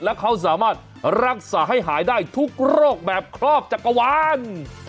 แล้วเขาสามารถรักษาให้หายได้ทุกโรคแบบครอบจักรวาล